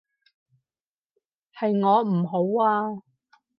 係我唔好啊